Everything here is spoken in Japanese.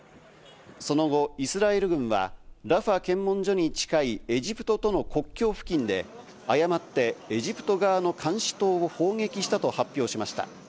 その後、イスラエル軍はラファ検問所に近いエジプトとの国境付近で誤ってエジプト側の監視塔を砲撃したと発表しました。